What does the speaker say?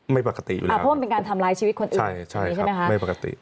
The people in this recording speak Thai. ไม่ปกติอยู่แล้วนะครับใช่ใช่ครับไม่ปกติ